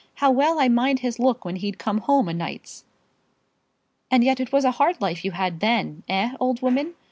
How well I mind his look when he'd come home o' nights." "And yet it was a hard life you had then, eh, old woman?